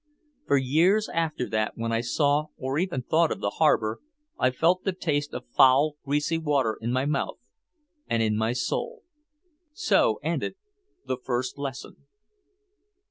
For years after that, when I saw or even thought of the harbor, I felt the taste of foul, greasy water in my mouth and in my soul. So ended the first lesson.